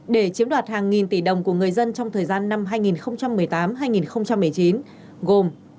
để chiếm đoạt hàng nghìn tỷ đồng của người dân trong thời gian năm hai nghìn một mươi tám hai nghìn một mươi chín gồm